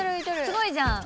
すごいじゃん。